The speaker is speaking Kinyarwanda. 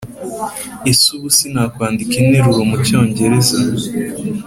Ese ubu sinakwandika interuro mu cyongereza